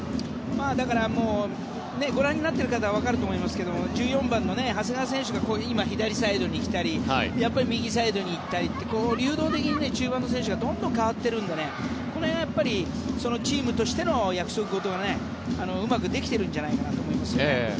だからご覧になっている方はわかると思いますが１４番の長谷川選手が今左サイドに来たり右サイドに行ったりって流動的に中盤の選手がどんどん変わっているのでこの辺がチームとしての約束事がうまくできているんじゃないかなと思います。